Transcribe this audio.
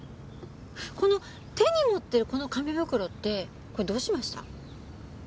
この手に持ってるこの紙袋ってこれどうしました？